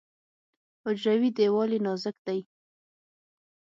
حجروي دیوال یې نازک دی.